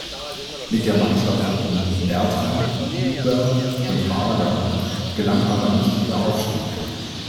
Mit der Mannschaft um Bertram, Huber und Varga gelang aber nicht der Aufstieg.